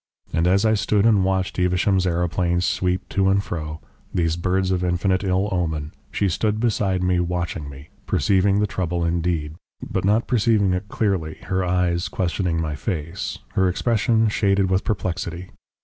And as I stood and watched Evesham's aeroplanes sweep to and fro those birds of infinite ill omen she stood beside me watching me, perceiving the trouble indeed, but not perceiving it clearly her eyes questioning my face, her expression shaded with perplexity.